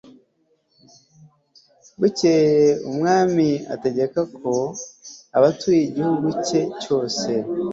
bukeye, umwami ategeka ko abatuye igihugu cye cyose